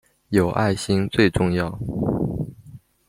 有愛心最重要